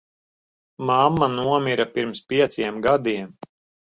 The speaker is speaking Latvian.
Mamma nomira pirms pieciem gadiem.